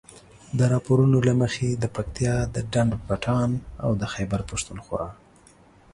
د راپورونو له مخې د پکتیا د ډنډ پټان او د خيبر پښتونخوا